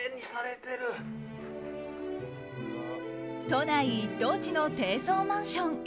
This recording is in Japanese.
都内一等地の低層マンション。